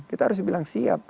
kita harus bilang siap